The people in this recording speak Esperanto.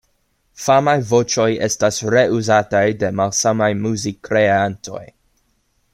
Famaj voĉoj estas reuzataj de malsamaj muzikkreantoj.